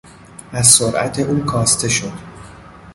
از سرعت او کاسته شد.